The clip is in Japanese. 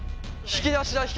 引き出しだ。